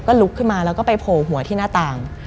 ลุกขึ้นมาแล้วก็ไปโผล่หัวที่หน้าต่าง